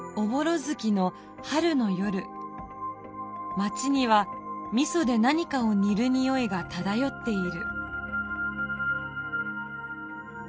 町にはみそで何かを煮る匂いがただよっている」。